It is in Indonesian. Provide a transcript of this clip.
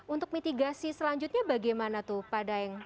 untuk mitigasi selanjutnya bagaimana tuh pak daeng